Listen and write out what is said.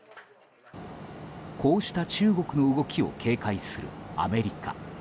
こうした中国の動きを警戒するアメリカ。